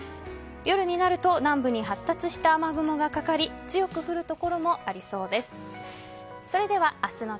夜になると南部に発達した雨雲がかかり強く降るところもありそうです。